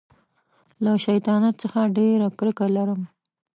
له شیطانت څخه ډېره کرکه لرم.